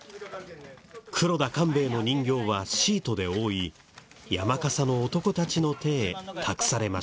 黒田官兵衛の人形はシートで覆い山笠の男たちの手へ託されました。